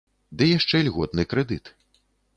Ды яшчэ льготны крэдыт.